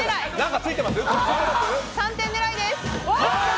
３点狙いです。